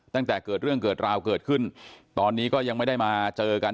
ตั้งแต่เกิดเรื่องเกิดราวเกิดขึ้นตอนนี้ก็ยังไม่ได้มาเจอกัน